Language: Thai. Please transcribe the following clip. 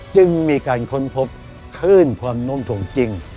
จึงมีการค้นพบคลื่นความนุ่มถ่วงจริง